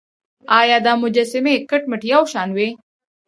ایا دا مجسمې کټ مټ یو شان وې.